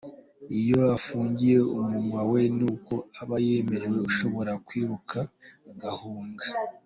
Iyo afunguye umunwa we ni uku aba yimereye, ushobora kwiruka ugahunga!! .